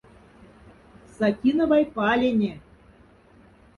Сатиновай паляня.